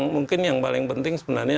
mungkin yang paling penting sebenarnya